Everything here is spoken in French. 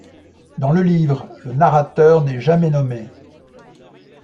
Dans le livre, le narrateur n'est jamais nommé.